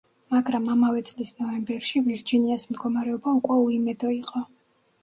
მაგრამ ამავე წლის ნოემბერში, ვირჯინიას მდგომარეობა უკვე უიმედო იყო.